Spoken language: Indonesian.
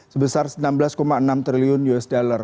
sebesar enam belas enam triliun usd